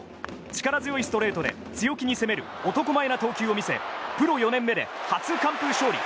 力強いストレートで強気に攻める男前な投球を見せプロ４年目で初完封勝利。